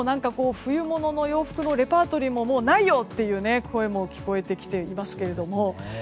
冬物の洋服のレパートリーももうないよっていう声も聞こえてきていますけれども。